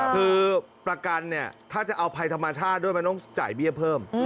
คือประกันเนี่ยถ้าจะเอาภัยธรรมชาติด้วยมันต้องจ่ายเบี้ยเพิ่ม